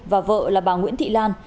và vợ là bà nguyễn thị lan